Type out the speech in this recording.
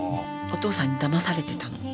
お父さんにだまされてたの。